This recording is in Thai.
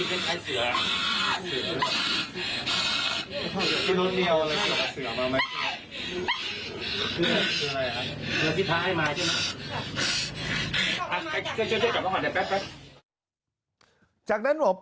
จากนั้นหมอปลามาถึงแล้วนะครับ